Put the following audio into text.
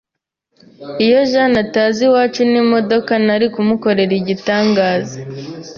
Iyo Jane ataza iwacu n'imodoka, nari kumukorera igitangaza.